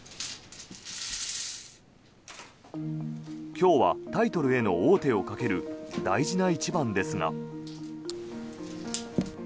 今日はタイトルへの王手をかける大事な一番ですが。